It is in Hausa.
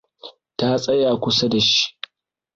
Ta tsaya kusa da shi.